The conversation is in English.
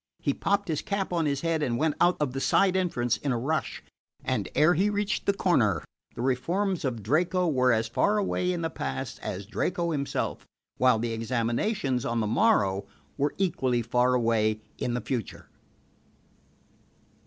He popped his cap on his head and went out of the side entrance in a rush; and ere he reached the corner the reforms of Draco were as far away in the past as Draco himself, while the examinations on the morrow were equally far away in the future.